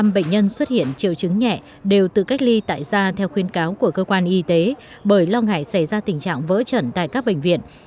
bảy mươi bệnh nhân xuất hiện triệu chứng nhẹ đều tự cách ly tại da theo khuyên cáo của cơ quan y tế bởi lo ngại xảy ra tình trạng vỡ trận tại các bệnh viện